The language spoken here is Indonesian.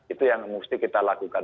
itu yang mesti kita lakukan